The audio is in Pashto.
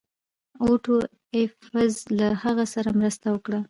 اوټو ایفز له هغه سره مرسته وکړه.